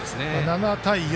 ７対４。